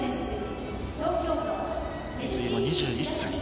水井も２１歳。